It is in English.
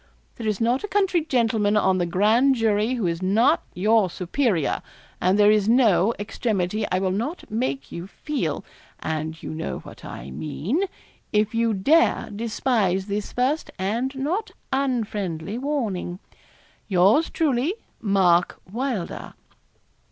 There is not a country gentleman on the grand jury who is not your superior; and there is no extremity I will not make you feel and you know what I mean if you dare despise this first and not unfriendly warning. 'Yours truly, 'MARK WYLDER.'